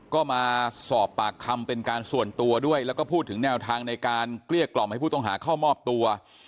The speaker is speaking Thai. ก็มาสอบปากคำเป็นการส่วนตัวด้วยแล้วก็พูดถึงแนวทางในการเกลี้ยกล่อมให้ผู้ต้องหาเข้ามอบตัว